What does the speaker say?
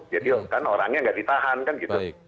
jadi kan orangnya nggak ditahan kan gitu